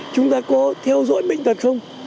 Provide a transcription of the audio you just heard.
chúng ta có theo dõi bệnh tật không